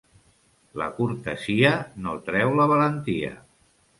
La cortesia no treu la valentia.